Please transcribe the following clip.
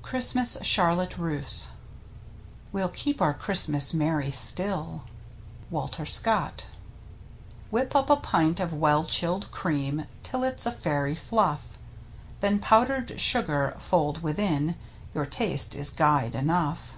^ CHRISTMAS CHARLOTTE RUSSE We'll keep our Christmas merry still. — Walter Scott. Whip up a pint of well chilled cream Till it's a fairy fluff, Then powdered sugar fold within, Your taste is guide enough.